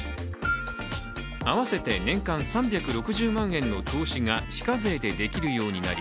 合わせて年間３６０万円の投資が非課税でできるようになり